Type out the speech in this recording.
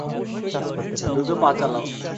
দ্রুত পা চালাও!